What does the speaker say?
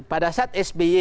pada saat sby